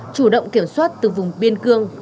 chủ động kiểm soát từ vùng biển